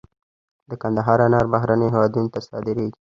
د کندهار انار بهرنیو هیوادونو ته صادریږي